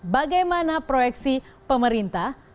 bagaimana proyeksi pemerintah